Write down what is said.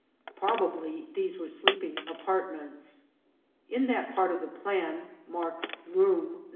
Probably these were sleeping apartments. In that part of the plan marked Room No.